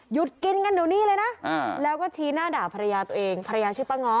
กินกันเดี๋ยวนี้เลยนะแล้วก็ชี้หน้าด่าภรรยาตัวเองภรรยาชื่อป้าง้อ